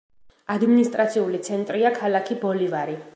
ადმინისტრაციული ცენტრია ქალაქი ბოლივარი.